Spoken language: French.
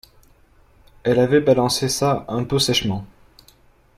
Elle avait balancé ça un peu sèchement